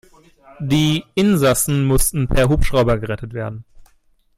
Die Insassen mussten per Hubschrauber gerettet werden.